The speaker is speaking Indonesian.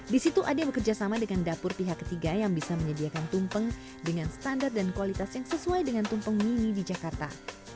di situ ade bekerjasama dengan dapur pihak ketiga yang bisa menyediakan tumpeng dengan standar dan kualitas yang sesuai dengan tumpeng mini di jakarta